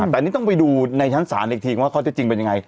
แบบนี้ต้องไปดูในชั้นศาลอีกทีว่าเขาจะจริงเป็นยังไง